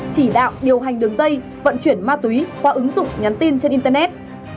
chỉ đạo điều hành đường dây vận chuyển ma túy qua ứng dụng nhắn tin trên internet